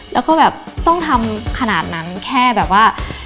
แล้วก็แบบต้องทำขนาดนั้นแค่แบบว่า